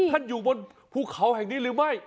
ท่านอยู่บนภูเขาแห่งนี้หรือไม่